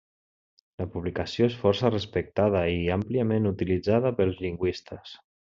La publicació és força respectada i àmpliament utilitzada pels lingüistes.